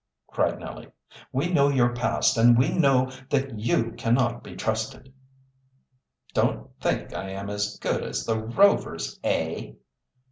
cried Nellie. "We know your past, and we know that you cannot be trusted." "Don't think I am as good as the Rovers, eh?"